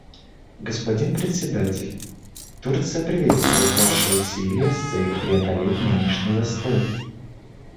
Господин Председатель, Турция приветствует ваши усилия с целью преодолеть нынешний застой.